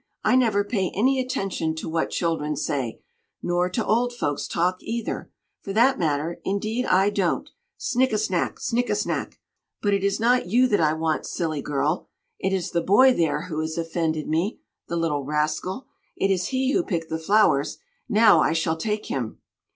I never pay any attention to what children say; nor to old folks' talk either, for that matter. Indeed I don't! Snikkesnak! snikkesnak! But it is not you that I want, silly girl. It is the boy there who has offended me. The little rascal! It is he who picked the flowers. Now I shall take him!"